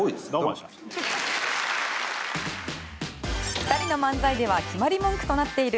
２人の漫才では決まり文句となっている